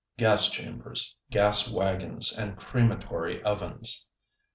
gas chambers, gas wagons, and crematory ovens.